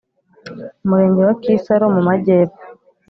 umurenge wa kisaro mumajyepfo